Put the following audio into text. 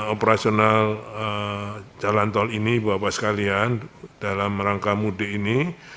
operasional jalan tol ini ibu bapak sekalian dalam rangka mudik ini